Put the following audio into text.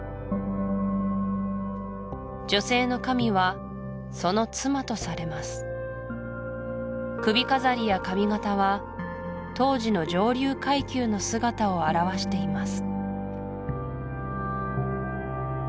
女性の神はその妻とされます首飾りや髪形は当時の上流階級の姿を表しています